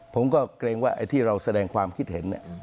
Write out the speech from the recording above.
ผมก็เกรงว่าที่เราแสดงความคิดเห็น